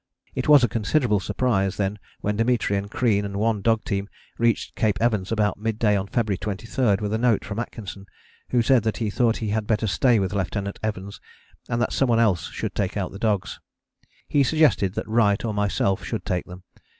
It was a considerable surprise then when Dimitri with Crean and one dog team reached Cape Evans about mid day on February 23 with a note from Atkinson, who said that he thought he had better stay with Lieutenant Evans and that some one else should take out the dogs. He suggested that Wright or myself should take them.